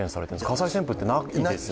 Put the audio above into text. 火災旋風ってないですよね。